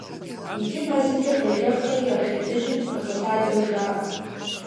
Иджы мэзымкӀэ къежэххэри а шэдыжьым къыхэлъадэу жаӀэ.